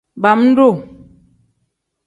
Bam-duu.